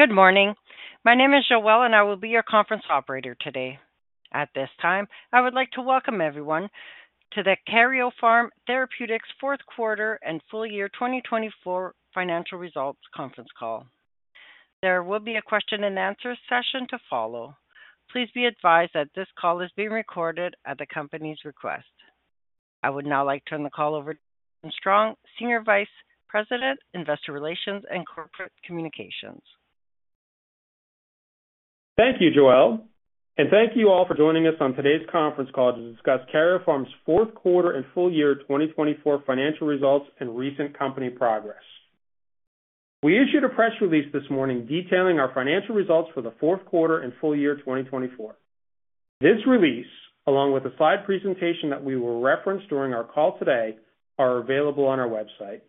Good morning. My name is Jewel, and I will be your conference operator today. At this time, I would like to welcome everyone to the Karyopharm Therapeutics Fourth Quarter and Full Year 2024 Financial Results Conference Call. There will be a question and answer session to follow. Please be advised that this call is being recorded at the company's request. I would now like to turn the call over to Brendan Strong, Senior Vice President, Investor Relations and Corporate Communications. Thank you, Jewel. Thank you all for joining us on today's conference call to discuss Karyopharm's fourth quarter and full year 2024 financial results and recent company progress. We issued a press release this morning detailing our financial results for the fourth quarter and full year 2024. This release, along with the slide presentation that we will reference during our call today, is available on our website.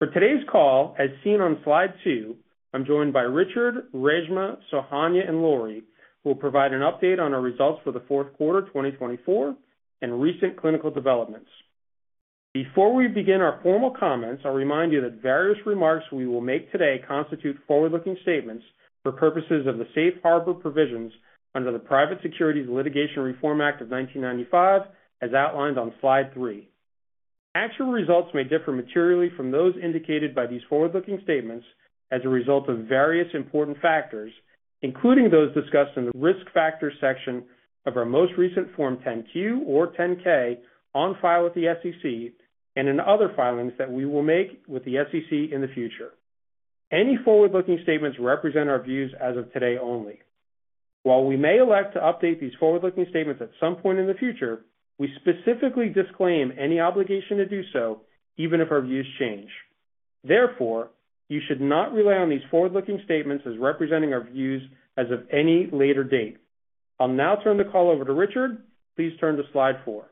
For today's call, as seen on slide two, I'm joined by Richard, Reshma, Sohanya, and Lori, who will provide an update on our results for the fourth quarter 2024 and recent clinical developments. Before we begin our formal comments, I'll remind you that various remarks we will make today constitute forward-looking statements for purposes of the Safe Harbor provisions under the Private Securities Litigation Reform Act of 1995, as outlined on slide three. Actual results may differ materially from those indicated by these forward-looking statements as a result of various important factors, including those discussed in the Risk Factor section of our most recent Form 10Q or 10K on file with the SEC and in other filings that we will make with the SEC in the future. Any forward-looking statements represent our views as of today only. While we may elect to update these forward-looking statements at some point in the future, we specifically disclaim any obligation to do so, even if our views change. Therefore, you should not rely on these forward-looking statements as representing our views as of any later date. I'll now turn the call over to Richard. Please turn to slide four.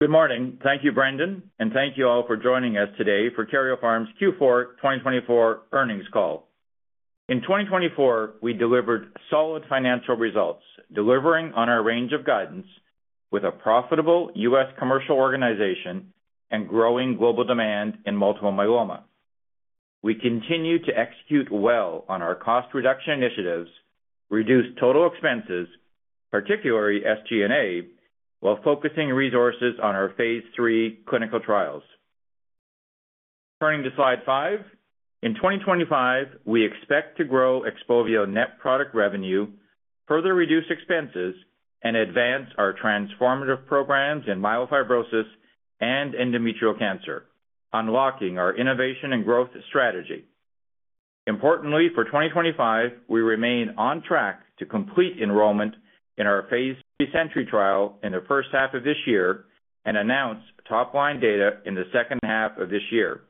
Good morning. Thank you, Brendan, and thank you all for joining us today for Karyopharm's Q4 2024 earnings call. In 2024, we delivered solid financial results, delivering on our range of guidance with a profitable U.S. commercial organization and growing global demand in multiple myeloma. We continue to execute well on our cost reduction initiatives, reduce total expenses, particularly SG&A, while focusing resources on our phase III clinical trials. Turning to slide five, in 2025, we expect to grow XPOVIO net product revenue, further reduce expenses, and advance our transformative programs in myelofibrosis and endometrial cancer, unlocking our innovation and growth strategy. Importantly, for 2025, we remain on track to complete enrollment in our phase III SENTRY trial in the first half of this year and announce top-line data in the second half of this year.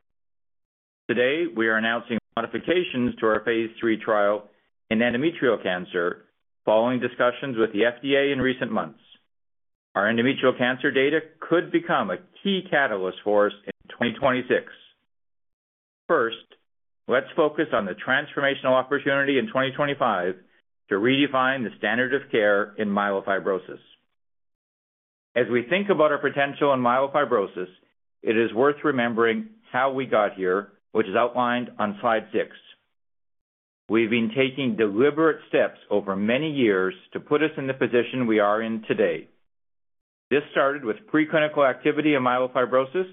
Today, we are announcing modifications to our phase III trial in endometrial cancer following discussions with the FDA in recent months. Our endometrial cancer data could become a key catalyst for us in 2026. First, let's focus on the transformational opportunity in 2025 to redefine the standard of care in myelofibrosis. As we think about our potential in myelofibrosis, it is worth remembering how we got here, which is outlined on slide six. We've been taking deliberate steps over many years to put us in the position we are in today. This started with preclinical activity in myelofibrosis,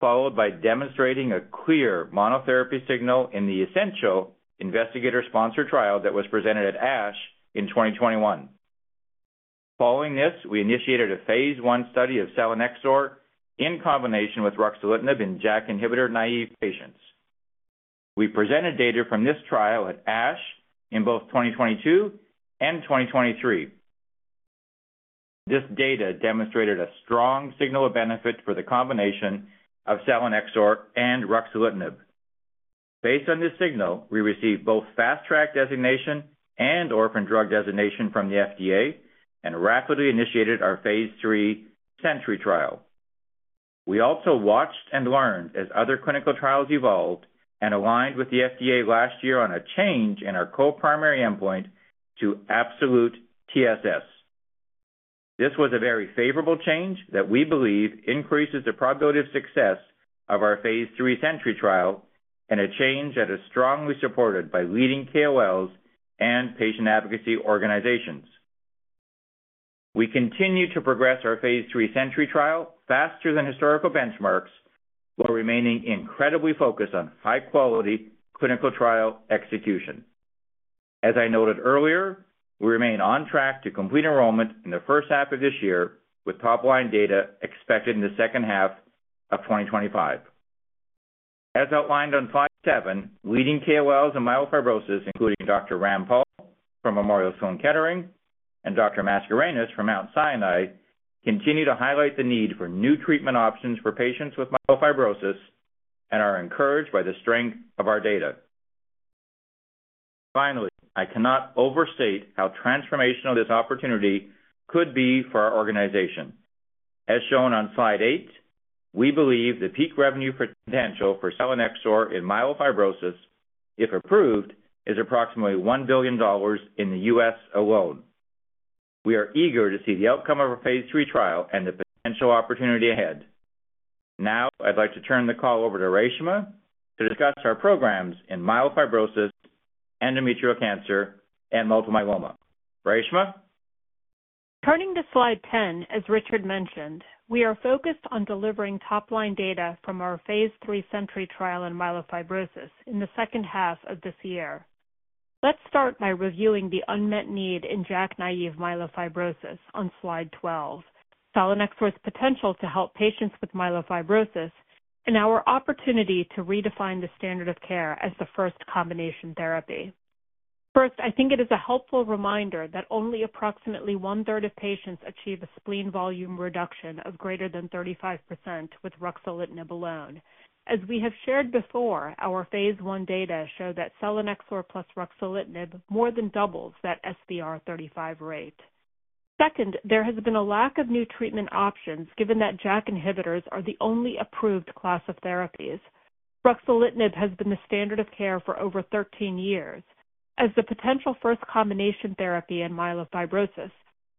followed by demonstrating a clear monotherapy signal in the essential investigator-sponsored trial that was presented at ASH in 2021. Following this, we initiated a phase I study of selinexor in combination with ruxolitinib in JAK naïve patients. We presented data from this trial at ASH in both 2022 and 2023. This data demonstrated a strong signal of benefit for the combination of selinexor and ruxolitinib. Based on this signal, we received both fast-track designation and orphan drug designation from the FDA and rapidly initiated our phase III SENTRY trial. We also watched and learned as other clinical trials evolved and aligned with the FDA last year on a change in our co-primary endpoint to absolute TSS. This was a very favorable change that we believe increases the probability of success of our phase III SENTRY trial and a change that is strongly supported by leading KOLs and patient advocacy organizations. We continue to progress our phase III SENTRY trial faster than historical benchmarks while remaining incredibly focused on high-quality clinical trial execution. As I noted earlier, we remain on track to complete enrollment in the first half of this year with top-line data expected in the second half of 2025. As outlined on slide seven, leading KOLs in myelofibrosis, including Dr. Rampal from Memorial Sloan Kettering and Dr. Mascarenhas from Mount Sinai, continue to highlight the need for new treatment options for patients with myelofibrosis and are encouraged by the strength of our data. Finally, I cannot overstate how transformational this opportunity could be for our organization. As shown on slide eight, we believe the peak revenue potential for selinexor in myelofibrosis, if approved, is approximately $1 billion in the U.S. alone. We are eager to see the outcome of our phase III trial and the potential opportunity ahead. Now, I'd like to turn the call over to Reshma to discuss our programs in myelofibrosis, endometrial cancer, and multiple myeloma. Reshma? Turning to slide 10, as Richard mentioned, we are focused on delivering top-line data from our phase III SENTRY trial in myelofibrosis in the second half of this year. Let's start by reviewing the unmet need in JAK naïve myelofibrosis on slide 12, selinexor's potential to help patients with myelofibrosis, and our opportunity to redefine the standard of care as the first combination therapy. First, I think it is a helpful reminder that only approximately one-third of patients achieve a spleen volume reduction of greater than 35% with ruxolitinib alone. As we have shared before, our phase I data show that selinexor plus ruxolitinib more than doubles that SVR35 rate. Second, there has been a lack of new treatment options given that JAK inhibitors are the only approved class of therapies. ruxolitinib has been the standard of care for over 13 years. As the potential first combination therapy in myelofibrosis,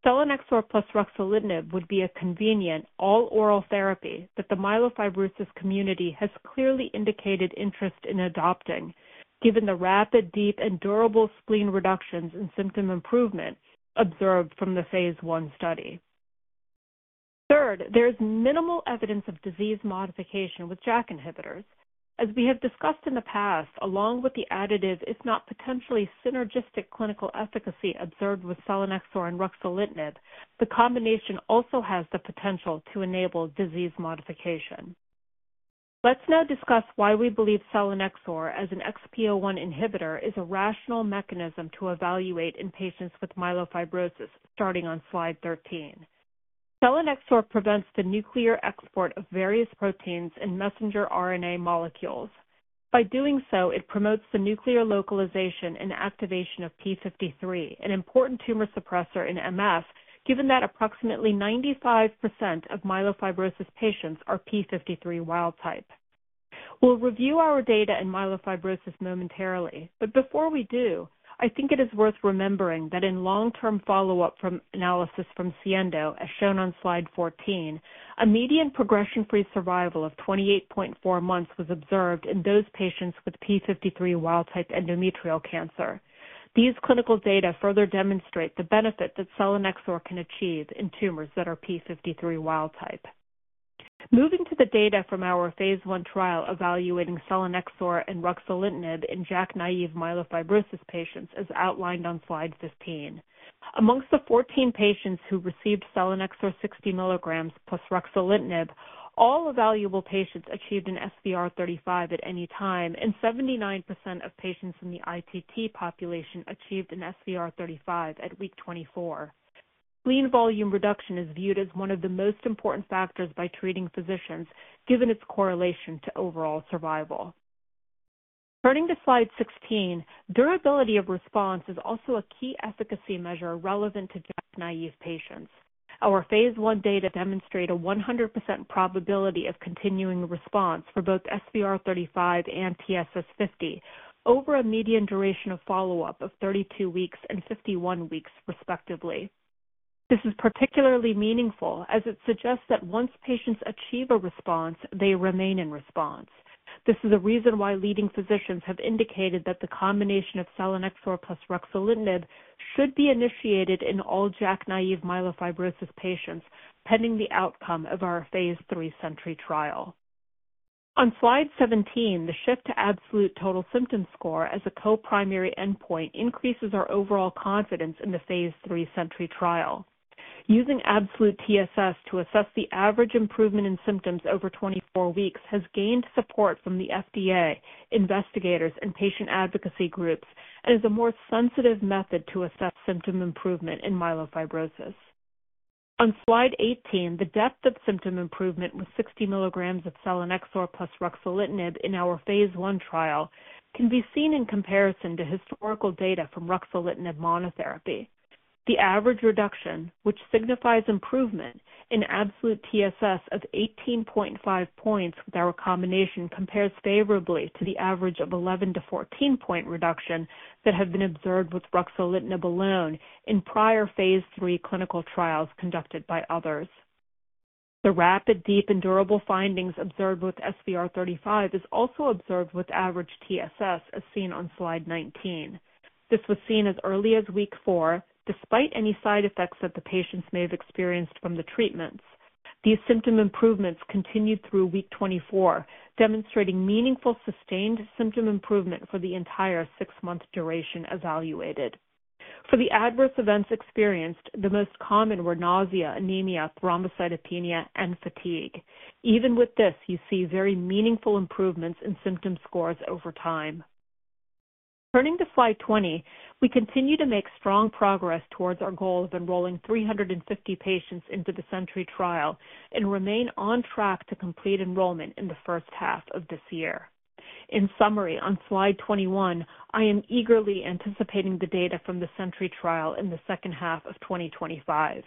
selinexor plus ruxolitinib would be a convenient all-oral therapy that the myelofibrosis community has clearly indicated interest in adopting, given the rapid, deep, and durable spleen reductions and symptom improvement observed from the phase I study. Third, there is minimal evidence of disease modification with JAK inhibitors. As we have discussed in the past, along with the additive, if not potentially synergistic clinical efficacy observed with selinexor and ruxolitinib, the combination also has the potential to enable disease modification. Let's now discuss why we believe selinexor as an XPO1 inhibitor is a rational mechanism to evaluate in patients with myelofibrosis, starting on slide 13. selinexor prevents the nuclear export of various proteins and messenger RNA molecules. By doing so, it promotes the nuclear localization and activation of p53, an important tumor suppressor in MF, given that approximately 95% of myelofibrosis patients are p53 wild-type. We'll review our data in myelofibrosis momentarily, but before we do, I think it is worth remembering that in long-term follow-up analysis from SIENDO, as shown on slide 14, a median progression-free survival of 28.4 months was observed in those patients with p53 wild-type endometrial cancer. These clinical data further demonstrate the benefit that selinexor can achieve in tumors that are p53 wild-type. Moving to the data from our phase I trial evaluating selinexor and ruxolitinib in JAK naïve myelofibrosis patients, as outlined on slide 15. Amongst the 14 patients who received selinexor 60 milligrams plus ruxolitinib, all evaluable patients achieved an SVR35 at any time, and 79% of patients in the ITT population achieved an SVR35 at week 24. Spleen volume reduction is viewed as one of the most important factors by treating physicians, given its correlation to overall survival. Turning to slide 16, durability of response is also a key efficacy measure relevant to JAK naïve patients. Our phase I data demonstrate a 100% probability of continuing response for both SVR35 and TSS50 over a median duration of follow-up of 32 weeks and 51 weeks, respectively. This is particularly meaningful as it suggests that once patients achieve a response, they remain in response. This is the reason why leading physicians have indicated that the combination of selinexor plus ruxolitinib should be initiated in all JAK naïve myelofibrosis patients pending the outcome of our phase III SENTRY trial. On slide 17, the shift to absolute total symptom score as a co-primary endpoint increases our overall confidence in the phase III SENTRY trial. Using absolute TSS to assess the average improvement in symptoms over 24 weeks has gained support from the FDA, investigators, and patient advocacy groups and is a more sensitive method to assess symptom improvement in myelofibrosis. On slide 18, the depth of symptom improvement with 60 milligrams of selinexor plus ruxolitinib in our phase I trial can be seen in comparison to historical data from ruxolitinib monotherapy. The average reduction, which signifies improvement in absolute TSS of 18.5 points with our combination, compares favorably to the average of 11-14-point reduction that had been observed with ruxolitinib alone in prior phase III clinical trials conducted by others. The rapid, deep, and durable findings observed with SVR35 is also observed with average TSS, as seen on slide 19. This was seen as early as week four, despite any side effects that the patients may have experienced from the treatments. These symptom improvements continued through week 24, demonstrating meaningful sustained symptom improvement for the entire six-month duration evaluated. For the adverse events experienced, the most common were nausea, anemia, thrombocytopenia, and fatigue. Even with this, you see very meaningful improvements in symptom scores over time. Turning to slide 20, we continue to make strong progress towards our goal of enrolling 350 patients into the SENTRY trial and remain on track to complete enrollment in the first half of this year. In summary, on slide 21, I am eagerly anticipating the data from the SENTRY trial in the second half of 2025.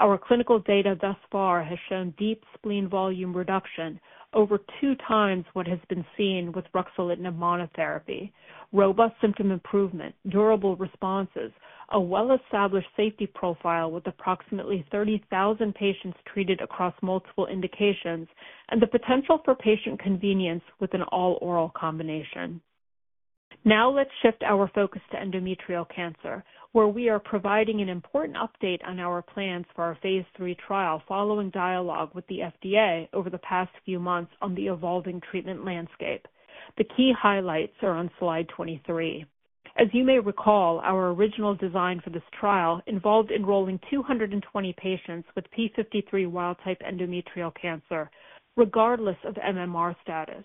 Our clinical data thus far has shown deep spleen volume reduction over two times what has been seen with ruxolitinib monotherapy, robust symptom improvement, durable responses, a well-established safety profile with approximately 30,000 patients treated across multiple indications, and the potential for patient convenience with an all-oral combination. Now, let's shift our focus to endometrial cancer, where we are providing an important update on our plans for our phase III trial following dialogue with the FDA over the past few months on the evolving treatment landscape. The key highlights are on slide 23. As you may recall, our original design for this trial involved enrolling 220 patients with p53 wild-type endometrial cancer, regardless of MMR status.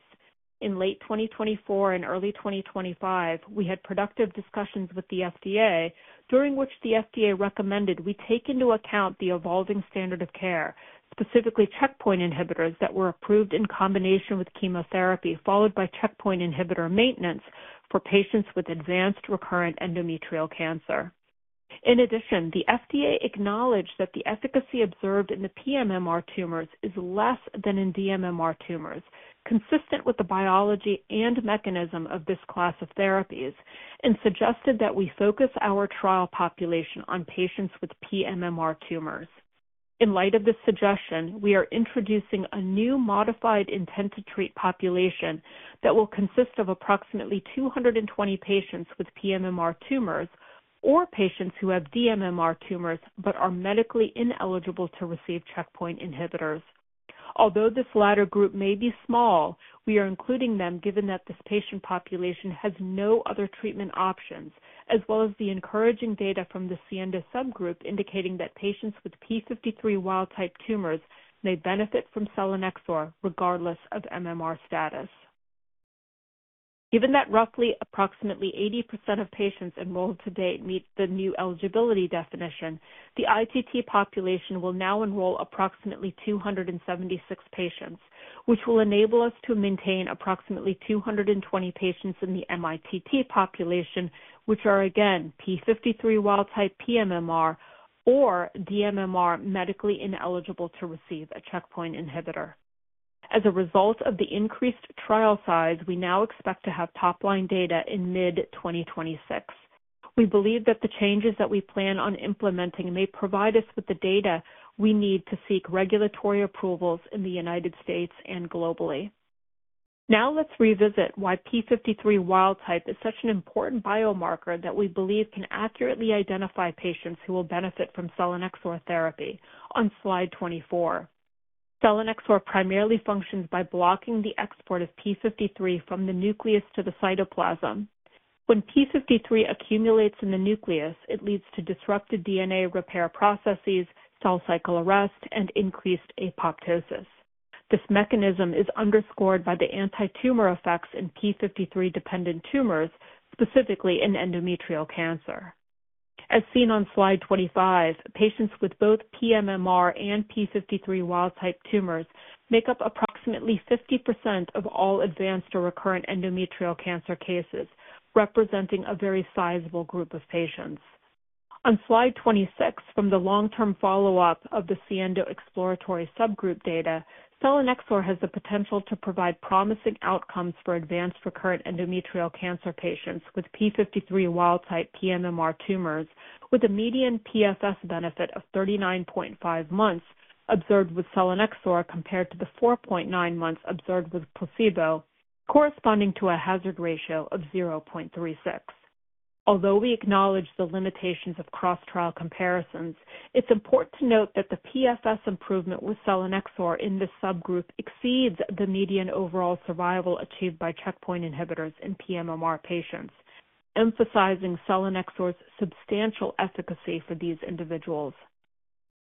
In late 2024 and early 2025, we had productive discussions with the FDA, during which the FDA recommended we take into account the evolving standard of care, specifically checkpoint inhibitors that were approved in combination with chemotherapy, followed by checkpoint inhibitor maintenance for patients with advanced recurrent endometrial cancer. In addition, the FDA acknowledged that the efficacy observed in the pMMR tumors is less than in dMMR tumors, consistent with the biology and mechanism of this class of therapies, and suggested that we focus our trial population on patients with pMMR tumors. In light of this suggestion, we are introducing a new modified intent to treat population that will consist of approximately 220 patients with pMMR tumors or patients who have dMMR tumors but are medically ineligible to receive checkpoint inhibitors. Although this latter group may be small, we are including them given that this patient population has no other treatment options, as well as the encouraging data from the SIENDO subgroup indicating that patients with p53 wild-type tumors may benefit from selinexor regardless of MMR status. Given that roughly approximately 80% of patients enrolled to date meet the new eligibility definition, the ITT population will now enroll approximately 276 patients, which will enable us to maintain approximately 220 patients in the mITT population, which are again p53 wild-type pMMR or dMMR medically ineligible to receive a checkpoint inhibitor. As a result of the increased trial size, we now expect to have top-line data in mid-2026. We believe that the changes that we plan on implementing may provide us with the data we need to seek regulatory approvals in the United States and globally. Now, let's revisit why p53 wild-type is such an important biomarker that we believe can accurately identify patients who will benefit from selinexor therapy. On slide 24, selinexor primarily functions by blocking the export of p53 from the nucleus to the cytoplasm. When p53 accumulates in the nucleus, it leads to disrupted DNA repair processes, cell cycle arrest, and increased apoptosis. This mechanism is underscored by the anti-tumor effects in p53-dependent tumors, specifically in endometrial cancer. As seen on slide 25, patients with both pMMR and p53 wild-type tumors make up approximately 50% of all advanced or recurrent endometrial cancer cases, representing a very sizable group of patients. On slide 26, from the long-term follow-up of the SIENDO Exploratory Subgroup data, selinexor has the potential to provide promising outcomes for advanced recurrent endometrial cancer patients with p53 wild-type pMMR tumors, with a median PFS benefit of 39.5 months observed with selinexor compared to the 4.9 months observed with placebo, corresponding to a hazard ratio of 0.36. Although we acknowledge the limitations of cross-trial comparisons, it's important to note that the PFS improvement with selinexor in this subgroup exceeds the median overall survival achieved by checkpoint inhibitors in pMMR patients, emphasizing selinexor's substantial efficacy for these individuals.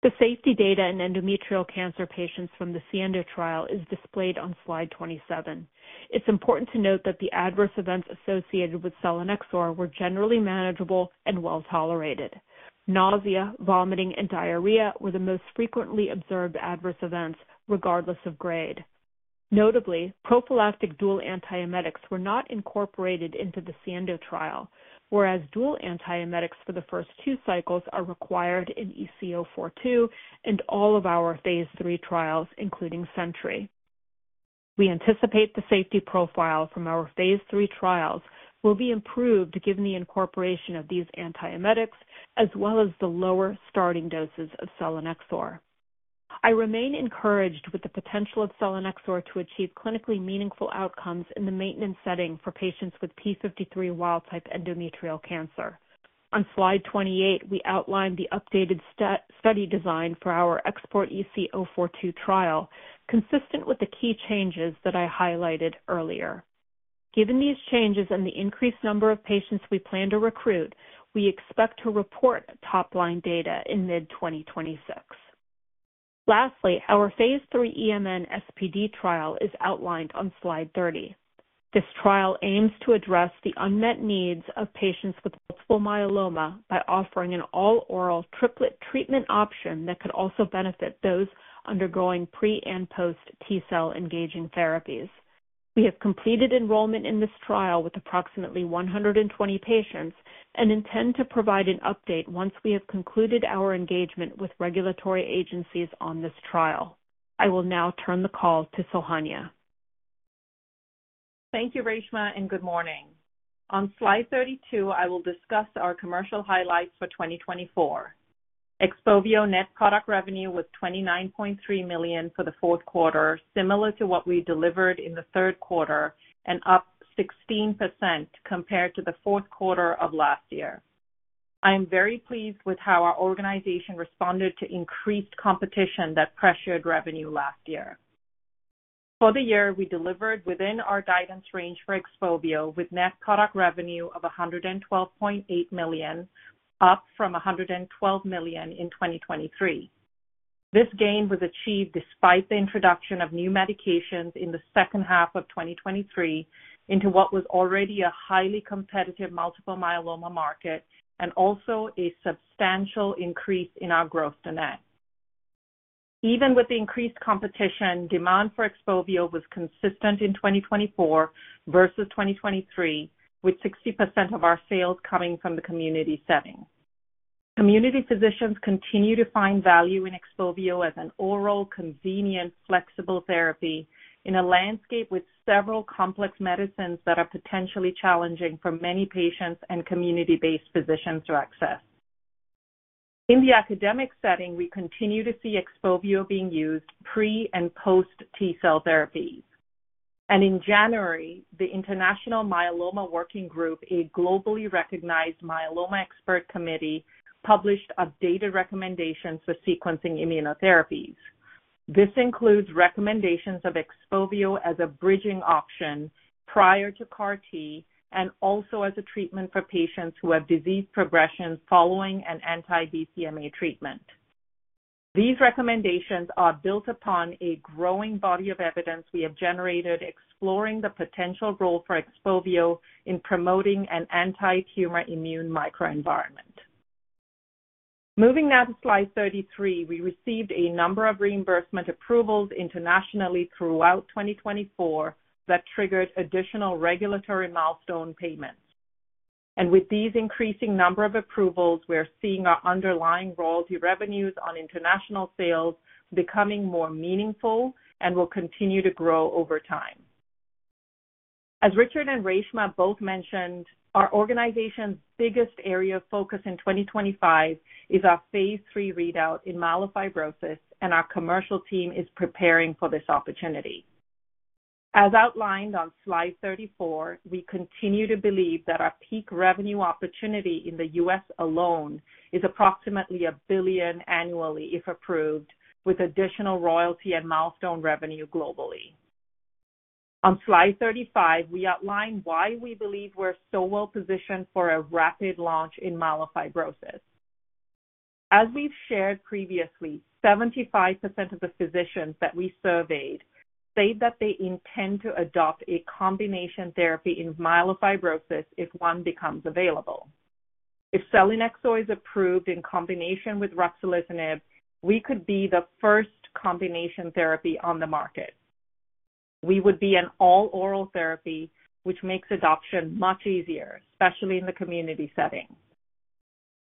The safety data in endometrial cancer patients from the SIENDO trial is displayed on slide 27. It's important to note that the adverse events associated with selinexor were generally manageable and well tolerated. Nausea, vomiting, and diarrhea were the most frequently observed adverse events, regardless of grade. Notably, prophylactic dual antiemetics were not incorporated into the SIENDO trial, whereas dual antiemetics for the first two cycles are required in EC-042 and all of our phase III trials, including SENTRY. We anticipate the safety profile from our phase III trials will be improved given the incorporation of these antiemetics, as well as the lower starting doses of selinexor. I remain encouraged with the potential of selinexor to achieve clinically meaningful outcomes in the maintenance setting for patients with p53 wild-type endometrial cancer. On slide 28, we outline the updated study design for our XPORT-EC-042 trial, consistent with the key changes that I highlighted earlier. Given these changes and the increased number of patients we plan to recruit, we expect to report top-line data in mid-2026. Lastly, our phase III EMN SPd trial is outlined on slide 30. This trial aims to address the unmet needs of patients with multiple myeloma by offering an all-oral triplet treatment option that could also benefit those undergoing pre- and post T-cell engaging therapies. We have completed enrollment in this trial with approximately 120 patients and intend to provide an update once we have concluded our engagement with regulatory agencies on this trial. I will now turn the call to Sohanya. Thank you, Reshma, and good morning. On slide 32, I will discuss our commercial highlights for 2024. XPOVIO net product revenue was $29.3 million for the fourth quarter, similar to what we delivered in the third quarter, and up 16% compared to the fourth quarter of last year. I am very pleased with how our organization responded to increased competition that pressured revenue last year. For the year, we delivered within our guidance range for XPOVIO, with net product revenue of $112.8 million, up from $112 million in 2023. This gain was achieved despite the introduction of new medications in the second half of 2023 into what was already a highly competitive multiple myeloma market and also a substantial increase in our gross-to- net. Even with the increased competition, demand for XPOVIO was consistent in 2024 versus 2023, with 60% of our sales coming from the community setting. Community physicians continue to find value in XPOVIO as an oral, convenient, flexible therapy in a landscape with several complex medicines that are potentially challenging for many patients and community-based physicians to access. In the academic setting, we continue to see XPOVIO being used pre- and post T-cell therapies. In January, the International Myeloma Working Group, a globally recognized myeloma expert committee, published a data recommendation for sequencing immunotherapies. This includes recommendations of XPOVIO as a bridging option prior to CAR-T and also as a treatment for patients who have disease progression following an anti-BCMA treatment. These recommendations are built upon a growing body of evidence we have generated exploring the potential role for XPOVIO in promoting an anti-tumor immune microenvironment. Moving now to slide 33, we received a number of reimbursement approvals internationally throughout 2024 that triggered additional regulatory milestone payments. With these increasing number of approvals, we're seeing our underlying royalty revenues on international sales becoming more meaningful and will continue to grow over time. As Richard and Reshma both mentioned, our organization's biggest area of focus in 2025 is our phase III readout in myelofibrosis, and our commercial team is preparing for this opportunity. As outlined on slide 34, we continue to believe that our peak revenue opportunity in the U.S. alone is approximately $1 billion annually if approved, with additional royalty and milestone revenue globally. On slide 35, we outline why we believe we're so well positioned for a rapid launch in myelofibrosis. As we've shared previously, 75% of the physicians that we surveyed say that they intend to adopt a combination therapy in myelofibrosis if one becomes available. If selinexor is approved in combination with ruxolitinib, we could be the first combination therapy on the market. We would be an all-oral therapy, which makes adoption much easier, especially in the community setting.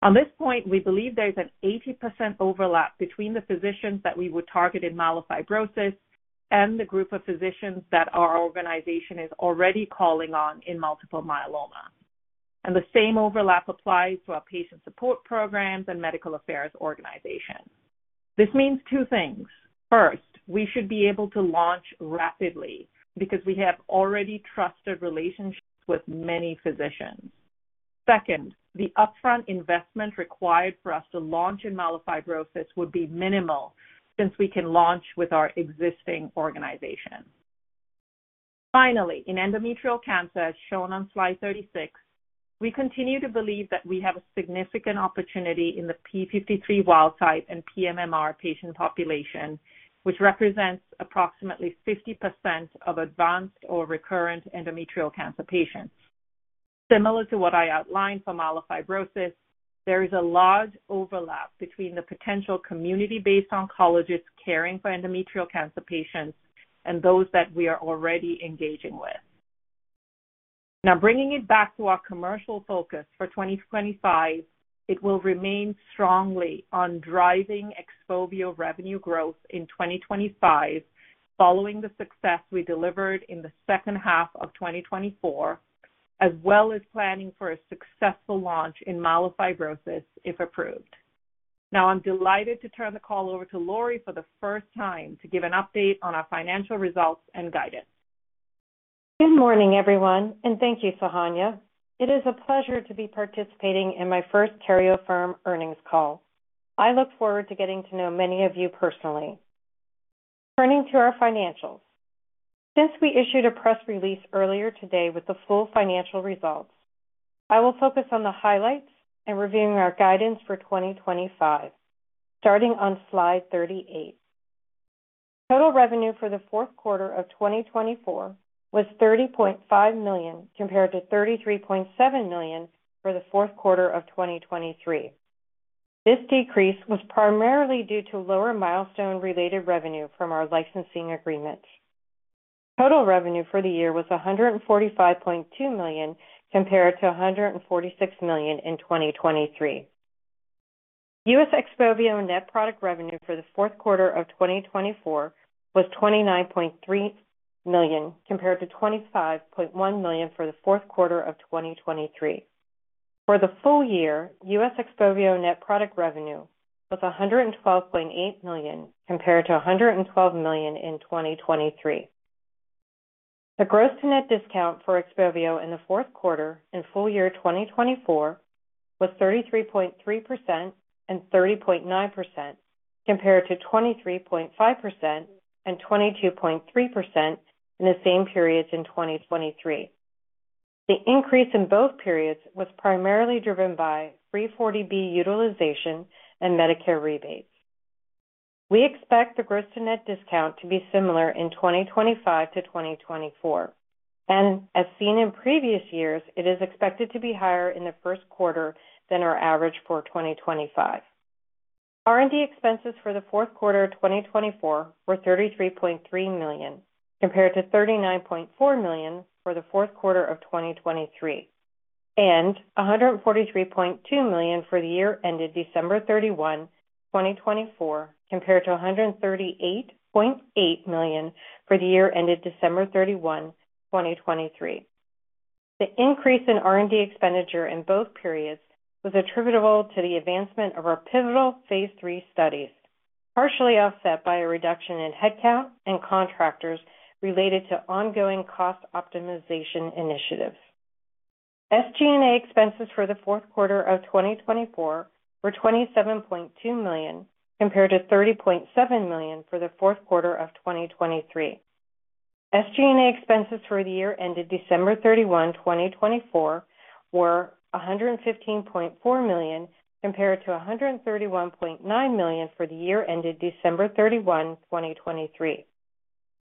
On this point, we believe there's an 80% overlap between the physicians that we would target in myelofibrosis and the group of physicians that our organization is already calling on in multiple myeloma. The same overlap applies to our patient support programs and medical affairs organizations. This means two things. First, we should be able to launch rapidly because we have already trusted relationships with many physicians. Second, the upfront investment required for us to launch in myelofibrosis would be minimal since we can launch with our existing organization. Finally, in endometrial cancer, as shown on slide 36, we continue to believe that we have a significant opportunity in the p53 wild-type and pMMR patient population, which represents approximately 50% of advanced or recurrent endometrial cancer patients. Similar to what I outlined for myelofibrosis, there is a large overlap between the potential community-based oncologists caring for endometrial cancer patients and those that we are already engaging with. Now, bringing it back to our commercial focus for 2025, it will remain strongly on driving XPOVIO revenue growth in 2025, following the success we delivered in the second half of 2024, as well as planning for a successful launch in myelofibrosis if approved. Now, I'm delighted to turn the call over to Lori for the first time to give an update on our financial results and guidance. Good morning, everyone, and thank you, Sohanya. It is a pleasure to be participating in my first Karyopharm earnings call. I look forward to getting to know many of you personally. Turning to our financials, since we issued a press release earlier today with the full financial results, I will focus on the highlights and reviewing our guidance for 2025, starting on slide 38. Total revenue for the fourth quarter of 2024 was $30.5 million compared to $33.7 million for the fourth quarter of 2023. This decrease was primarily due to lower milestone-related revenue from our licensing agreements. Total revenue for the year was $145.2 million compared to $146 million in 2023. U.S. XPOVIO net product revenue for the fourth quarter of 2024 was $29.3 million compared to $25.1 million for the fourth quarter of 2023. For the full year, U.S. XPOVIO net product revenue was $112.8 million compared to $112 million in 2023. The gross-to-net discount for XPOVIO in the fourth quarter and full year 2024 was 33.3% and 30.9% compared to 23.5% and 22.3% in the same periods in 2023. The increase in both periods was primarily driven by 340B utilization and Medicare rebates. We expect the gross-to-net discount to be similar in 2025 to 2024, and as seen in previous years, it is expected to be higher in the first quarter than our average for 2025. R&D expenses for the fourth quarter of 2024 were $33.3 million compared to $39.4 million for the fourth quarter of 2023, and $143.2 million for the year ended December 31, 2024, compared to $138.8 million for the year ended December 31, 2023. The increase in R&D expenditure in both periods was attributable to the advancement of our pivotal phase III studies, partially offset by a reduction in headcount and contractors related to ongoing cost optimization initiatives. SG&A expenses for the fourth quarter of 2024 were $27.2 million compared to $30.7 million for the fourth quarter of 2023. SG&A expenses for the year ended December 31, 2024, were $115.4 million compared to $131.9 million for the year ended December 31, 2023.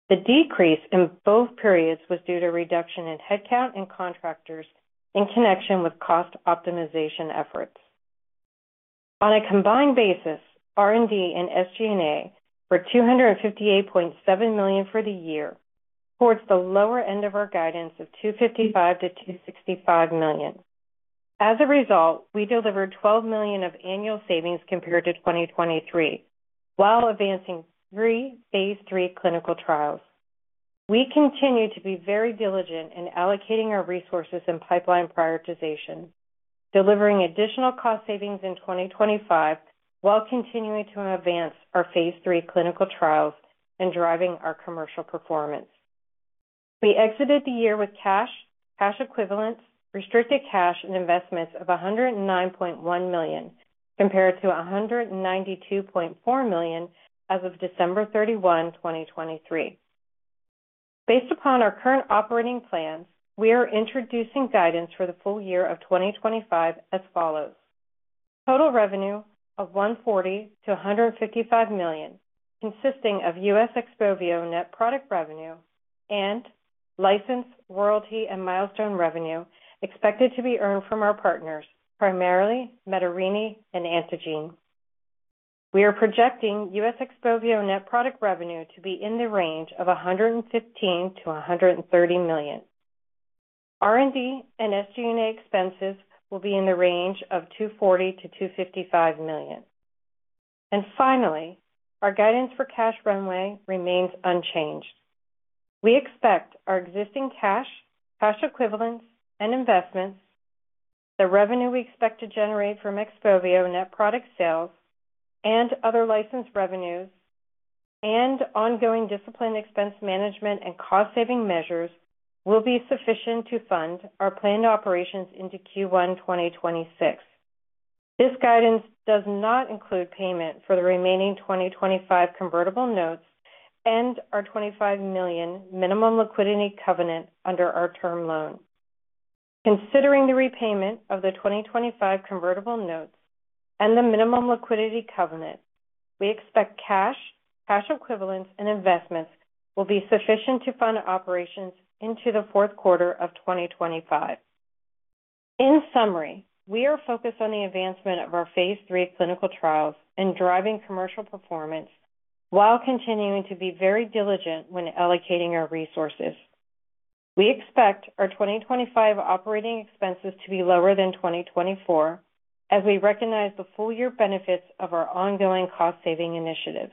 The decrease in both periods was due to a reduction in headcount and contractors in connection with cost optimization efforts. On a combined basis, R&D and SG&A were $258.7 million for the year, towards the lower end of our guidance of $255-$265 million. As a result, we delivered $12 million of annual savings compared to 2023, while advancing three phase III clinical trials. We continue to be very diligent in allocating our resources and pipeline prioritization, delivering additional cost savings in 2025, while continuing to advance our phase III clinical trials and driving our commercial performance. We exited the year with cash, cash equivalents, restricted cash, and investments of $109.1 million compared to $192.4 million as of December 31, 2023. Based upon our current operating plans, we are introducing guidance for the full year of 2025 as follows: total revenue of $140-$155 million, consisting of U.S. XPOVIO net product revenue and license, royalty, and milestone revenue expected to be earned from our partners, primarily Menarini and Antengene. We are projecting U.S. XPOVIO net product revenue to be in the range of $115-$130 million. R&D and SG&A expenses will be in the range of $240-$255 million. Finally, our guidance for cash runway remains unchanged. We expect our existing cash, cash equivalents, and investments, the revenue we expect to generate from XPOVIO net product sales and other license revenues, and ongoing disciplined expense management and cost-saving measures will be sufficient to fund our planned operations into Q1 2026. This guidance does not include payment for the remaining 2025 convertible notes and our $25 million minimum liquidity covenant under our term loan. Considering the repayment of the 2025 convertible notes and the minimum liquidity covenant, we expect cash, cash equivalents, and investments will be sufficient to fund operations into the fourth quarter of 2025. In summary, we are focused on the advancement of our phase IIIclinical trials and driving commercial performance while continuing to be very diligent when allocating our resources. We expect our 2025 operating expenses to be lower than 2024, as we recognize the full year benefits of our ongoing cost-saving initiatives.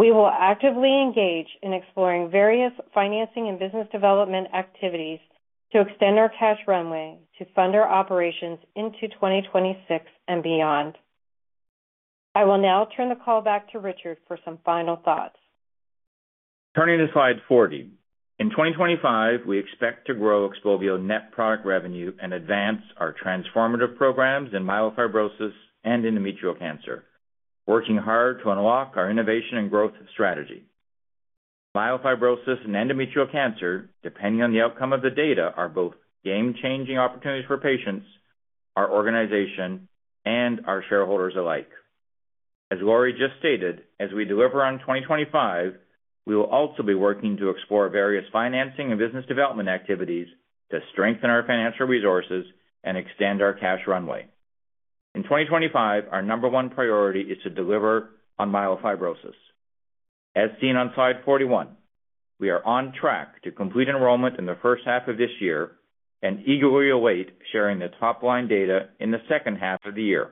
We will actively engage in exploring various financing and business development activities to extend our cash runway to fund our operations into 2026 and beyond. I will now turn the call back to Richard for some final thoughts. Turning to slide 40, in 2025, we expect to grow XPOVIO net product revenue and advance our transformative programs in myelofibrosis and endometrial cancer, working hard to unlock our innovation and growth strategy. Myelofibrosis and endometrial cancer, depending on the outcome of the data, are both game-changing opportunities for patients, our organization, and our shareholders alike. As Lori just stated, as we deliver on 2025, we will also be working to explore various financing and business development activities to strengthen our financial resources and extend our cash runway. In 2025, our number one priority is to deliver on myelofibrosis. As seen on slide 41, we are on track to complete enrollment in the first half of this year and eagerly await sharing the top-line data in the second half of the year.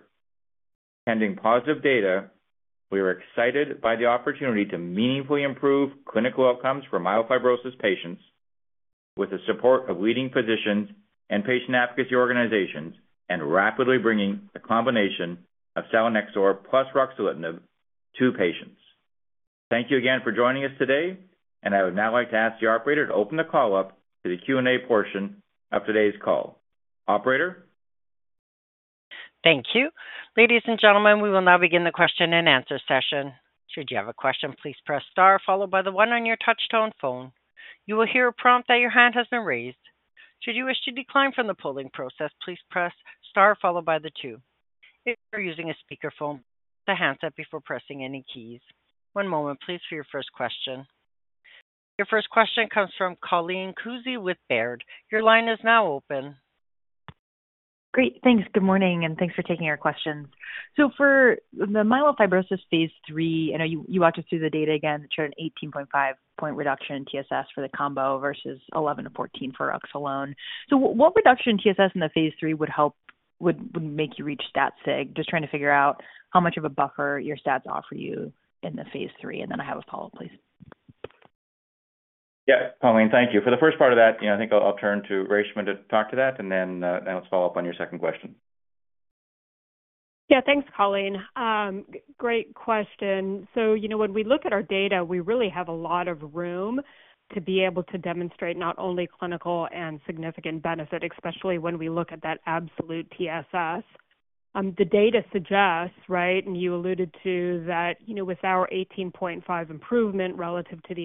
Pending positive data, we are excited by the opportunity to meaningfully improve clinical outcomes for myelofibrosis patients with the support of leading physicians and patient advocacy organizations and rapidly bringing a combination of selinexor plus ruxolitinib to patients. Thank you again for joining us today, and I would now like to ask the operator to open the call up to the Q&A portion of today's call. Operator? Thank you. Ladies and gentlemen, we will now begin the question and answer session. Should you have a question, please press star followed by the one on your touchtone phone. You will hear a prompt that your hand has been raised. Should you wish to decline from the polling process, please press star followed by the two. If you're using a speakerphone, press the handset before pressing any keys. One moment, please, for your first question. Your first question comes from Colleen Kusy with Baird. Your line is now open. Great. Thanks. Good morning, and thanks for taking our questions. For the myelofibrosis phase III, I know you walked us through the data again, that showed an 18.5-point reduction in TSS for the combo versus 11-14 for ruxolitinib. What reduction in TSS in the phase III would help, would make you reach STAT-SIG? Just trying to figure out how much of a buffer your stats offer you in the phase III. I have a follow-up, please. Yeah, Colleen, thank you. For the first part of that, I think I'll turn to Reshma to talk to that, and then let's follow up on your second question. Yeah, thanks, Colleen. Great question. When we look at our data, we really have a lot of room to be able to demonstrate not only clinical and significant benefit, especially when we look at that absolute TSS. The data suggests, right, and you alluded to that with our 18.5 improvement relative to the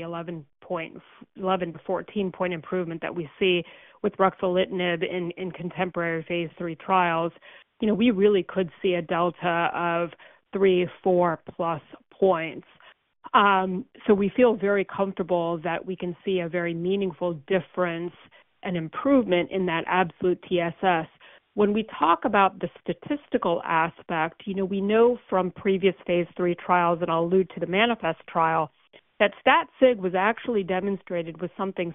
11-14-point improvement that we see with ruxolitinib in contemporary phase III trials, we really could see a delta of three, four-plus points. We feel very comfortable that we can see a very meaningful difference and improvement in that absolute TSS. When we talk about the statistical aspect, we know from previous phase III trials, and I'll allude to the MANIFEST trial, that STAT-SIG was actually demonstrated with something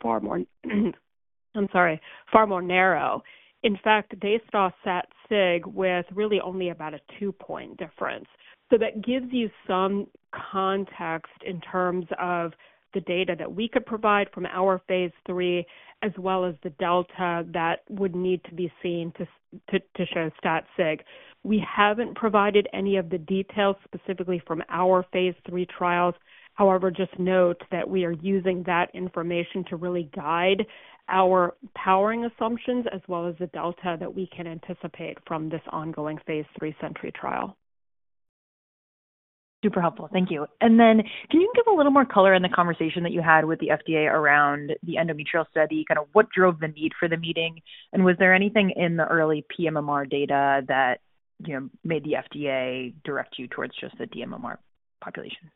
far more—I'm sorry—far more narrow. In fact, they saw STAT-SIG with really only about a two-point difference. That gives you some context in terms of the data that we could provide from our phase III, as well as the delta that would need to be seen to show STAT- SIG. We haven't provided any of the details specifically from our phase III trials. However, just note that we are using that information to really guide our powering assumptions, as well as the delta that we can anticipate from this ongoing phase III SENTRY trial. Super helpful. Thank you. Can you give a little more color in the conversation that you had with the FDA around the endometrial study? Kind of what drove the need for the meeting? Was there anything in the early pMMR data that made the FDA direct you towards just the dMMR population?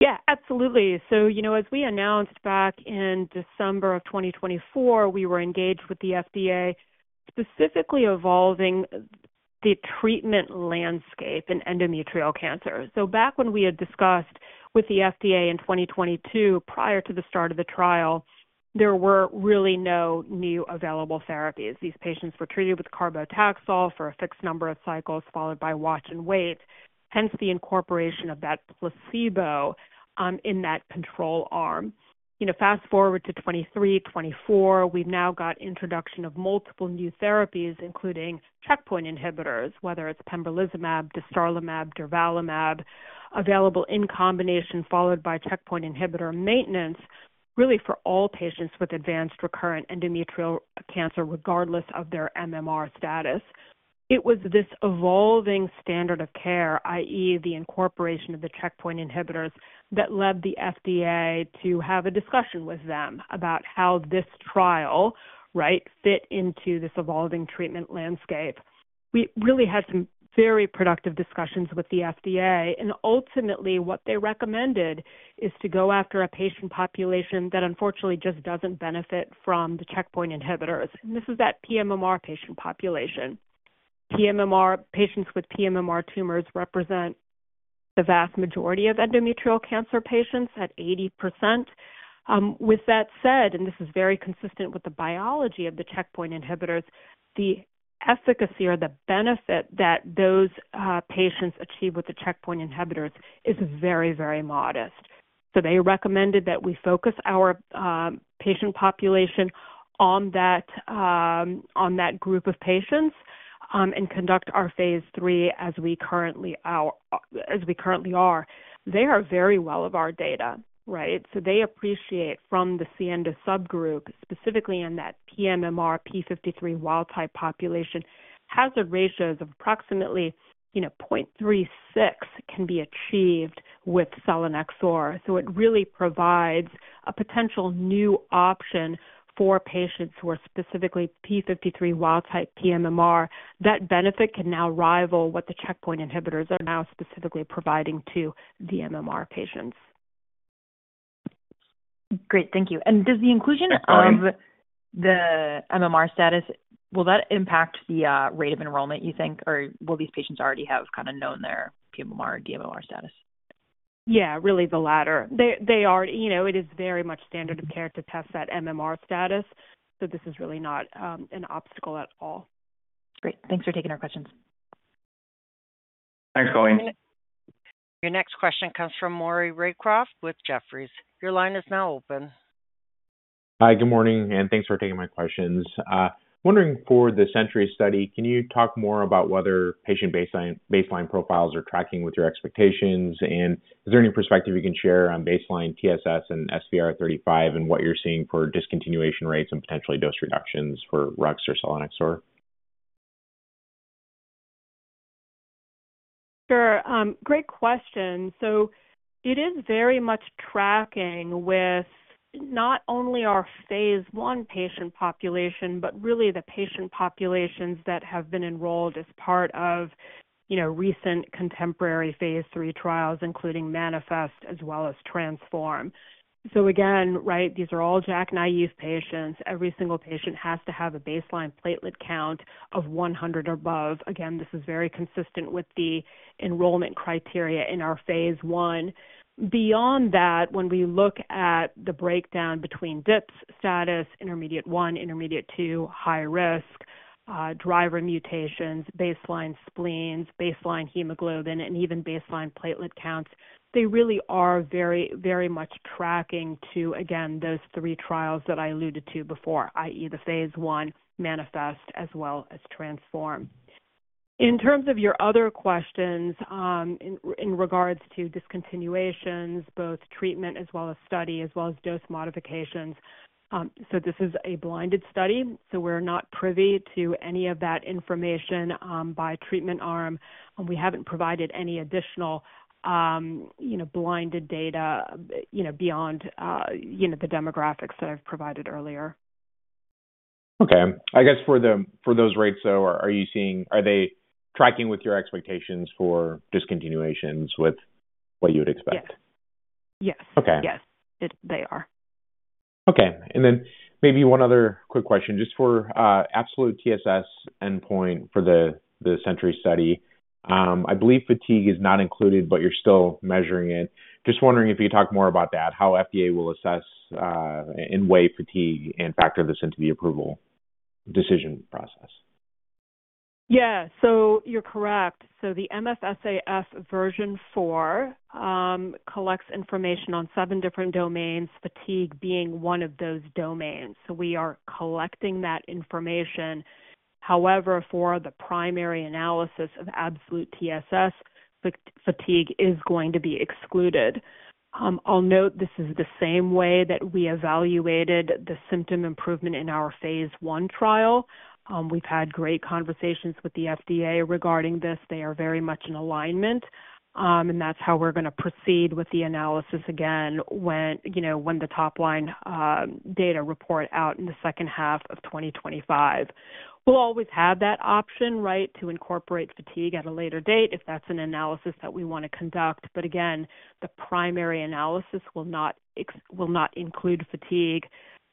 Yeah, absolutely. As we announced back in December of 2024, we were engaged with the FDA specifically evolving the treatment landscape in endometrial cancer. Back when we had discussed with the FDA in 2022, prior to the start of the trial, there were really no new available therapies. These patients were treated with Carbo/Taxol for a fixed number of cycles, followed by watch and wait, hence the incorporation of that placebo in that control arm. Fast forward to 2023, 2024, we've now got introduction of multiple new therapies, including checkpoint inhibitors, whether it's pembrolizumab, dostarlimab, durvalumab, available in combination, followed by checkpoint inhibitor maintenance, really for all patients with advanced recurrent endometrial cancer, regardless of their MMR status. It was this evolving standard of care, i.e., the incorporation of the checkpoint inhibitors, that led the FDA to have a discussion with them about how this trial, right, fit into this evolving treatment landscape. We really had some very productive discussions with the FDA, and ultimately, what they recommended is to go after a patient population that unfortunately just doesn't benefit from the checkpoint inhibitors. And this is that pMMR patient population. pMMR patients with pMMR tumors represent the vast majority of endometrial cancer patients at 80%. With that said, this is very consistent with the biology of the checkpoint inhibitors. The efficacy or the benefit that those patients achieve with the checkpoint inhibitors is very, very modest. They recommended that we focus our patient population on that group of patients and conduct our phase III as we currently are. They are very well aware of our data, right? They appreciate from the SIENDO subgroup, specifically in that pMMR p53 wild-type population, hazard ratios of approximately 0.36 can be achieved with selinexor. It really provides a potential new option for patients who are specifically p53 wild-type pMMR. That benefit can now rival what the checkpoint inhibitors are now specifically providing to dMMR patients. Great. Thank you. Does the inclusion of the MMR status, will that impact the rate of enrollment, you think, or will these patients already have kind of known their pMMR or dMMR status? Yeah, really the latter. It is very much standard of care to test that MMR status. This is really not an obstacle at all. Great. Thanks for taking our questions. Thanks, Colleen. Your next question comes from Maury Raycroft with Jefferies. Your line is now open. Hi, good morning, and thanks for taking my questions. Wondering for the SENTRY study, can you talk more about whether patient baseline profiles are tracking with your expectations, and is there any perspective you can share on baseline TSS and SVR35 and what you're seeing for discontinuation rates and potentially dose reductions for ruxolitinib or selinexor? Sure. Great question. It is very much tracking with not only our phase I patient population, but really the patient populations that have been enrolled as part of recent contemporary phase III trials, including MANIFEST as well as TRANSFORM. Again, these are all JAK -naïve patients. Every single patient has to have a baseline platelet count of 100 or above. This is very consistent with the enrollment criteria in our phase I. Beyond that, when we look at the breakdown between DIPSS status, intermediate one, intermediate two, high risk, driver mutations, baseline spleens, baseline hemoglobin, and even baseline platelet counts, they really are very, very much tracking to those three trials that I alluded to before, i.e., the phase I, MANIFEST, as well as TRANSFORM. In terms of your other questions in regards to discontinuations, both treatment as well as study, as well as dose modifications, this is a blinded study. We are not privy to any of that information by treatment arm. We have not provided any additional blinded data beyond the demographics that I have provided earlier. Okay. I guess for those rates, though, are they tracking with your expectations for discontinuations with what you would expect? Yes. Yes. Yes. They are. Okay. Maybe one other quick question, just for absolute TSS endpoint for the SENTRY study. I believe fatigue is not included, but you are still measuring it. Just wondering if you could talk more about that, how FDA will assess in-way fatigue and factor this into the approval decision process. Yeah. You are correct. The MF SAF version four collects information on seven different domains, fatigue being one of those domains. We are collecting that information. However, for the primary analysis of absolute TSS, fatigue is going to be excluded. I'll note this is the same way that we evaluated the symptom improvement in our phase I trial. We've had great conversations with the FDA regarding this. They are very much in alignment, and that's how we're going to proceed with the analysis again when the top-line data report out in the second half of 2025. We'll always have that option, right, to incorporate fatigue at a later date if that's an analysis that we want to conduct. Again, the primary analysis will not include fatigue.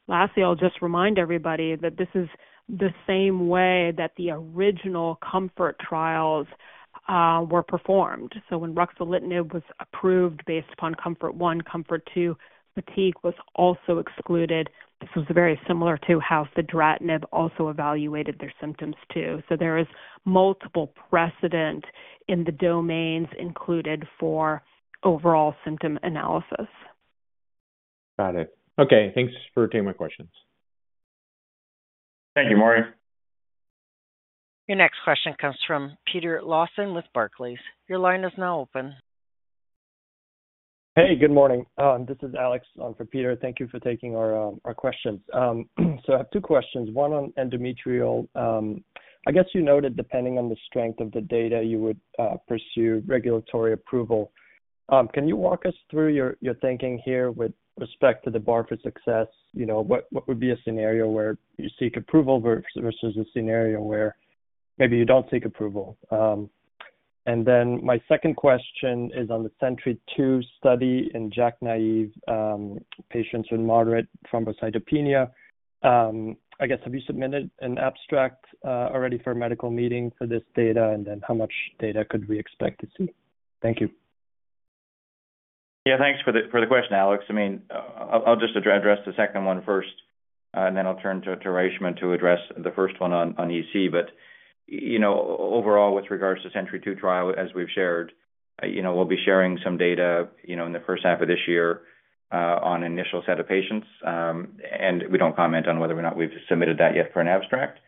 Lastly, I'll just remind everybody that this is the same way that the original comfort trials were performed. When ruxolitinib was approved based upon COMFORT-I, COMFORT-II, fatigue was also excluded. This was very similar to how fedratinib also evaluated their symptoms too. There is multiple precedent in the domains included for overall symptom analysis. Got it. Okay. Thanks for taking my questions. Thank you, Maury. Your next question comes from Peter Lawson with Barclays. Your line is now open. Good morning. This is Alex for Peter. Thank you for taking our questions. I have two questions. One on endometrial. I guess you noted depending on the strength of the data, you would pursue regulatory approval. Can you walk us through your thinking here with respect to the bar for success? What would be a scenario where you seek approval versus a scenario where maybe you do not seek approval? Then my second question is on the SENTRY 2 study in JAK naïve patients with moderate thrombocytopenia. I guess, have you submitted an abstract already for a medical meeting for this data, and then how much data could we expect to see? Thank you. Yeah, thanks for the question, Alex. I mean, I'll just address the second one first, and then I'll turn to Reshma to address the first one on EC. Overall, with regards to the SENTRY 2 trial, as we've shared, we'll be sharing some data in the first half of this year on an initial set of patients. We don't comment on whether or not we've submitted that yet for an abstract,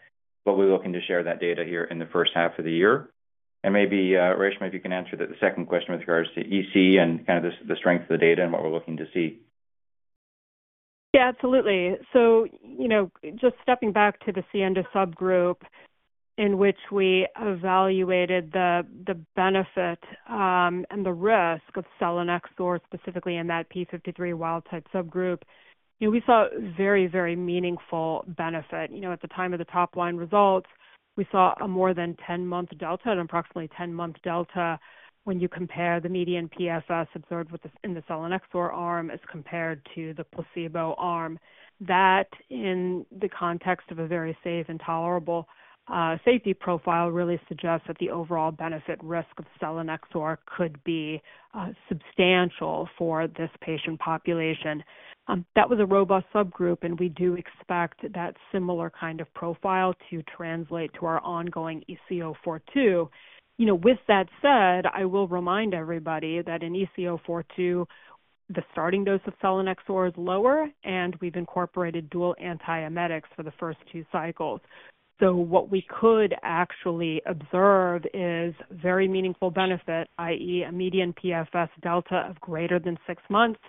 but we're looking to share that data here in the first half of the year. Maybe Reshma, if you can answer the second question with regards to EC and kind of the strength of the data and what we're looking to see. Yeah, absolutely. Just stepping back to the SIENDO subgroup in which we evaluated the benefit and the risk of selinexor, specifically in that p53 wild-type subgroup, we saw very, very meaningful benefit. At the time of the top-line results, we saw a more than 10-month delta and approximately 10-month delta when you compare the median PFS observed in the selinexor arm as compared to the placebo arm. That in the context of a very safe and tolerable safety profile really suggests that the overall benefit risk of selinexor could be substantial for this patient population. That was a robust subgroup, and we do expect that similar kind of profile to translate to our ongoing EC-042. With that said, I will remind everybody that in EC-042, the starting dose of selinexor is lower, and we've incorporated dual antiemetics for the first two cycles. What we could actually observe is very meaningful benefit, i.e., a median PFS delta of greater than six months,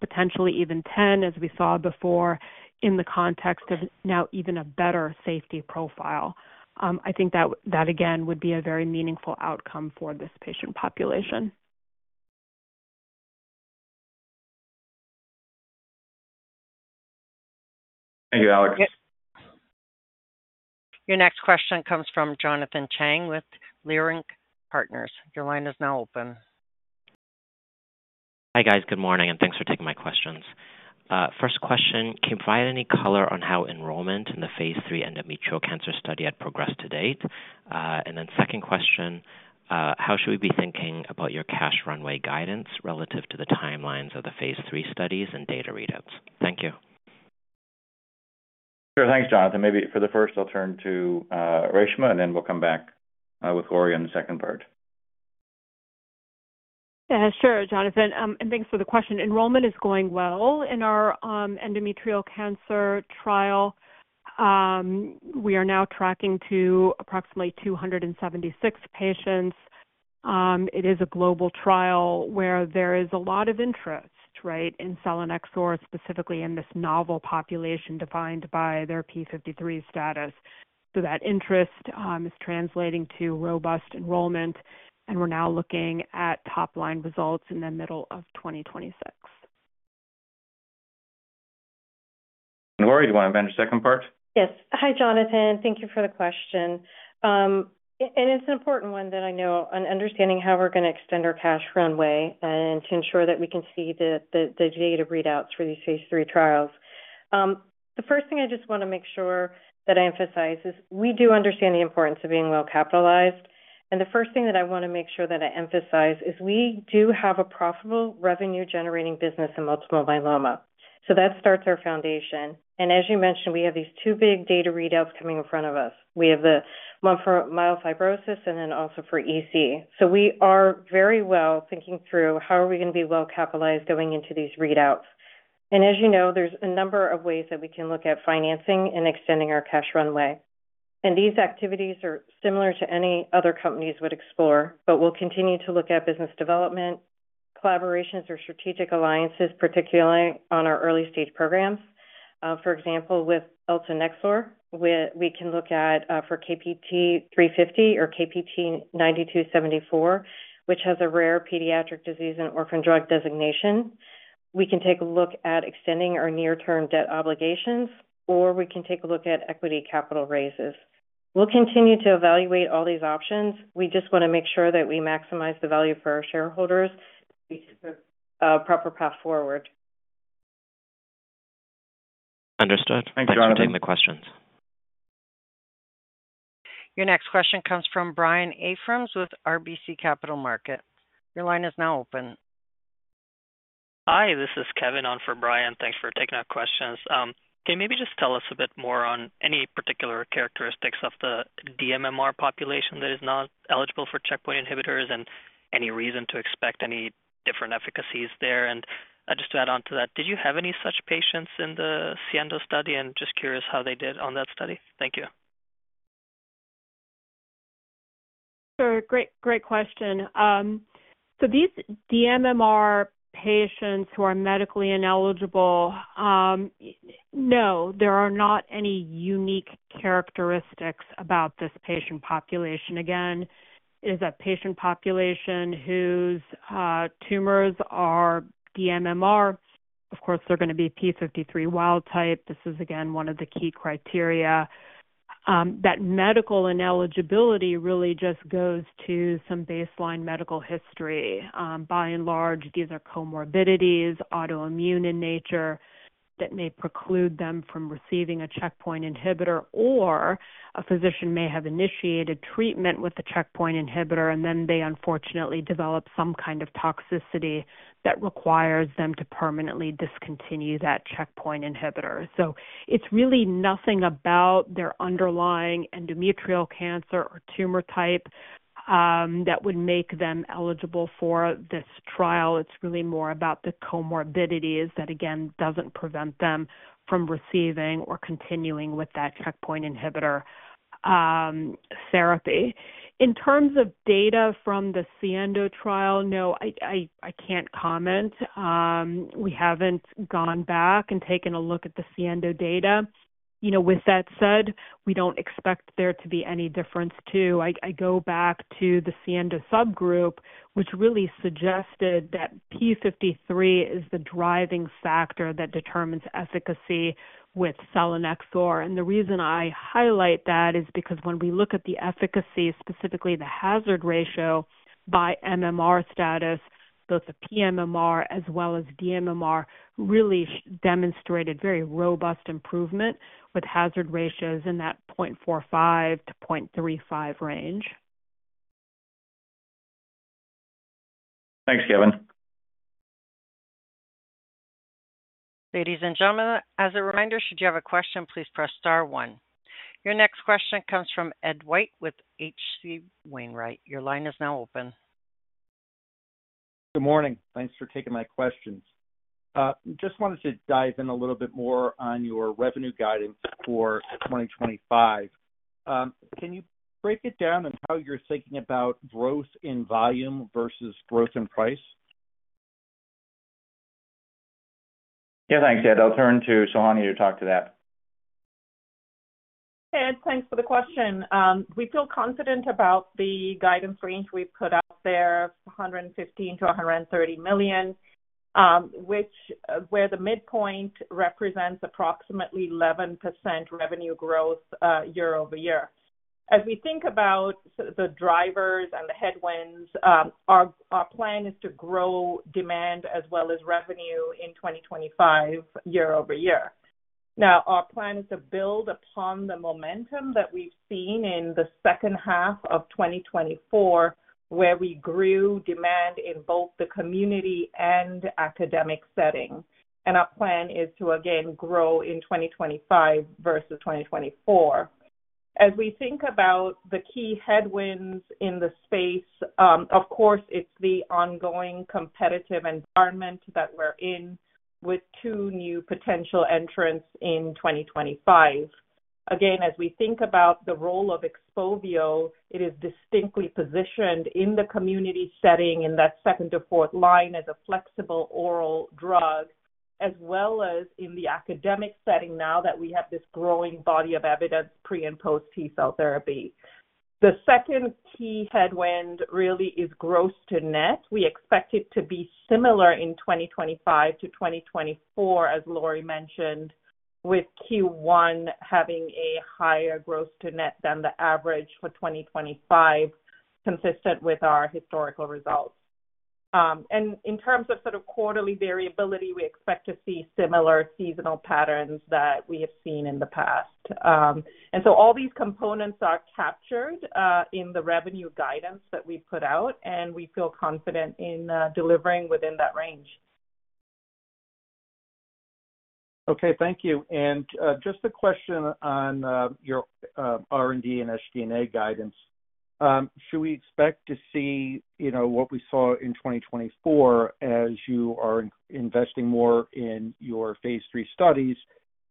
potentially even 10, as we saw before in the context of now even a better safety profile. I think that, again, would be a very meaningful outcome for this patient population. Thank you, Alex. Your next question comes from Jonathan Chang with Leerink Partners. Your line is now open. Hi guys, good morning, and thanks for taking my questions. First question, can you provide any color on how enrollment in the phase III endometrial cancer study had progressed to date? Then second question, how should we be thinking about your cash runway guidance relative to the timelines of the phase III studies and data readouts? Thank you. Sure. Thanks, Jonathan. Maybe for the first, I'll turn to Reshma, and then we'll come back with Lori on the second part. Sure, Jonathan. Thanks for the question. Enrollment is going well in our endometrial cancer trial. We are now tracking to approximately 276 patients. It is a global trial where there is a lot of interest in selinexor, specifically in this novel population defined by their p53 status. That interest is translating to robust enrollment, and we're now looking at top-line results in the middle of 2026. Lori, do you want to address your second part? Yes. Hi, Jonathan. Thank you for the question. It is an important one that I know on understanding how we're going to extend our cash runway and to ensure that we can see the data readouts for these phase III trials. The first thing I just want to make sure that I emphasize is we do understand the importance of being well capitalized. The first thing that I want to make sure that I emphasize is we do have a profitable revenue-generating business in multiple myeloma. That starts our foundation. As you mentioned, we have these two big data readouts coming in front of us. We have the one for myelofibrosis and then also for EC. We are very well thinking through how are we going to be well capitalized going into these readouts. As you know, there is a number of ways that we can look at financing and extending our cash runway. These activities are similar to any other companies would explore, but we'll continue to look at business development, collaborations, or strategic alliances, particularly on our early-stage programs. For example, with Eltanexor, we can look at for KPT-350 or KPT-9274, which has a rare pediatric disease and orphan drug designation. We can take a look at extending our near-term debt obligations, or we can take a look at equity capital raises. We'll continue to evaluate all these options. We just want to make sure that we maximize the value for our shareholders to be a proper path forward. Understood. Thanks, Jonathan. Thank you for taking my questions. Your next question comes from Brian Abrahams with RBC Capital Markets. Your line is now open. Hi, this is Kevin on for Brian. Thanks for taking our questions. Can you maybe just tell us a bit more on any particular characteristics of the dMMR population that is not eligible for checkpoint inhibitors and any reason to expect any different efficacies there? Just to add on to that, did you have any such patients in the SIENDO study? Just curious how they did on that study? Thank you. Sure. Great question. These dMMR patients who are medically ineligible, no, there are not any unique characteristics about this patient population. Again, it is a patient population whose tumors are dMMR. Of course, they are going to be p53 wild-type. This is, again, one of the key criteria. That medical ineligibility really just goes to some baseline medical history. By and large, these are comorbidities, autoimmune in nature that may preclude them from receiving a checkpoint inhibitor, or a physician may have initiated treatment with a checkpoint inhibitor, and then they unfortunately develop some kind of toxicity that requires them to permanently discontinue that checkpoint inhibitor. It is really nothing about their underlying endometrial cancer or tumor type that would make them eligible for this trial. It is really more about the comorbidities that, again, does not prevent them from receiving or continuing with that checkpoint inhibitor therapy. In terms of data from the SIENDO trial, no, I cannot comment. We have not gone back and taken a look at the SIENDO data. With that said, we do not expect there to be any difference too. I go back to the SIENDO subgroup, which really suggested that p53 is the driving factor that determines efficacy with selinexor. The reason I highlight that is because when we look at the efficacy, specifically the hazard ratio by MMR status, both the pMMR as well as dMMR really demonstrated very robust improvement with hazard ratios in that 0.45-0.35 range. Thanks, Kevin. Ladies and gentlemen, as a reminder, should you have a question, please press star one. Your next question comes from Ed White with HC Wainwright. Your line is now open. Good morning. Thanks for taking my questions. Just wanted to dive in a little bit more on your revenue guidance for 2025. Can you break it down on how you're thinking about growth in volume versus growth in price? Yeah, thanks, Ed. I'll turn to Sohanya to talk to that. Hey, Ed, thanks for the question. We feel confident about the guidance range we've put out there, $115 million-$130 million, where the midpoint represents approximately 11% revenue growth year-over-year. As we think about the drivers and the headwinds, our plan is to grow demand as well as revenue in 2025 year over year. Our plan is to build upon the momentum that we've seen in the second half of 2024, where we grew demand in both the community and academic setting. Our plan is to, again, grow in 2025 versus 2024. As we think about the key headwinds in the space, of course, it's the ongoing competitive environment that we're in with two new potential entrants in 2025. Again, as we think about the role of XPOVIO, it is distinctly positioned in the community setting in that second to fourth line as a flexible oral drug, as well as in the academic setting now that we have this growing body of evidence pre and post T-cell therapy. The second key headwind really is gross to net. We expect it to be similar in 2025 to 2024, as Lori mentioned, with Q1 having a higher gross to net than the average for 2025, consistent with our historical results. In terms of sort of quarterly variability, we expect to see similar seasonal patterns that we have seen in the past. All these components are captured in the revenue guidance that we put out, and we feel confident in delivering within that range. Okay, thank you. And just a question on your R&D and SG&A guidance. Should we expect to see what we saw in 2024 as you are investing more in your phase III studies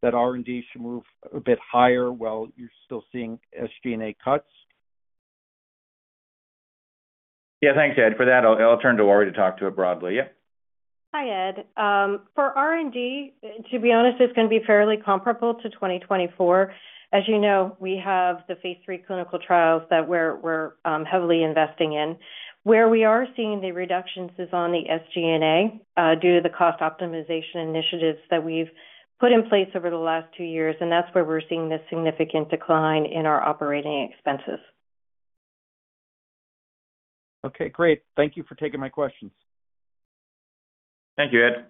that R&D should move a bit higher while you're still seeing SG&A cuts? Yeah, thanks, Ed. For that, I'll turn to Lori to talk to it broadly. Yeah. Hi, Ed. For R&D, to be honest, it's going to be fairly comparable to 2024. As you know, we have the phase III clinical trials that we're heavily investing in. Where we are seeing the reductions is on the SG&A due to the cost optimization initiatives that we've put in place over the last two years, and that's where we're seeing the significant decline in our operating expenses. Okay, great. Thank you for taking my questions. Thank you, Ed.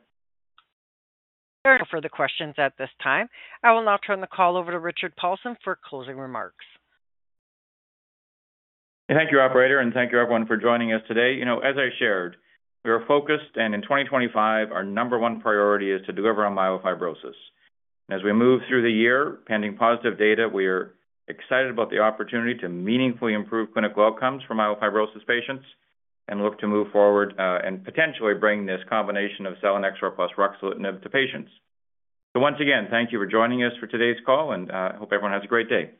There are no further questions at this time. I will now turn the call over to Richard Paulson for closing remarks. Thank you, operator, and thank you, everyone, for joining us today. As I shared, we are focused, and in 2025, our number one priority is to deliver on myelofibrosis. As we move through the year, pending positive data, we are excited about the opportunity to meaningfully improve clinical outcomes for myelofibrosis patients and look to move forward and potentially bring this combination of selinexor plus ruxolitinib to patients. Once again, thank you for joining us for today's call, and I hope everyone has a great day.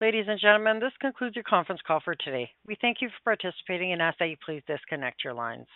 Ladies and gentlemen, this concludes your conference call for today. We thank you for participating and ask that you please disconnect your lines.